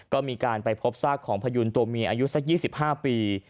ก็มีการไปพบซากของพยูนตัวเมียอายุสัก๒๕ปี